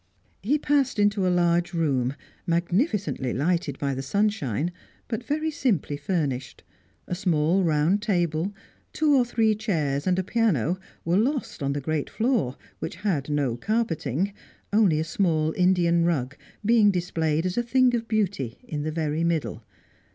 He passed into a large room, magnificently lighted by the sunshine, but very simply furnished. A small round table, two or three chairs and a piano were lost on the great floor, which had no carpeting, only a small Indian rug being displayed as a thing of beauty, in the very middle.